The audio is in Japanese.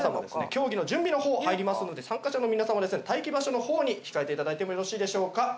競技の準備の方入りますので参加者の皆様はですね待機場所の方に控えていただいてもよろしいでしょうか？